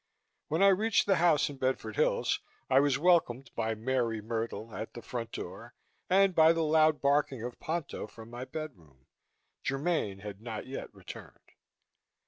When I reached the house in Bedford Hills, I was welcomed by Mary Myrtle at the front door and by the loud barking of Ponto from my bedroom. Germaine had not yet returned.